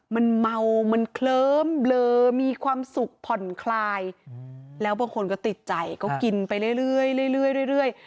มันเมามันเคลิ้มเบลอมีความสุขผ่อนคลายแล้วบางคนก็ติดใจก็กินไปเรื่อย